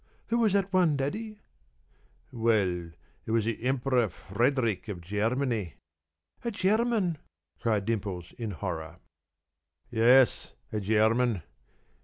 p> "Who was the one, Daddy?" "Well, it was the Emperor Frederick of Germany." "A Jarman!" cried Dimples, in horror. "Yes, a German.